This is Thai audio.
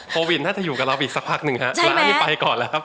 โควิดน่าจะอยู่กับเราไปอีกสักพักหนึ่งฮะร้านนี้ไปก่อนแล้วครับ